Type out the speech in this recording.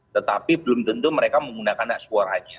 tetapi belum tentu mereka menggunakan hak suaranya